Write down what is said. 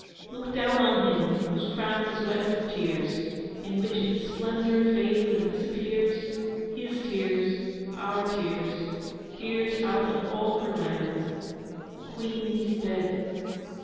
Look down on him whose crown is wet with tears In which its splendour fades and disappears His tears, our tears, tears out of all her lands. The Queen is dead.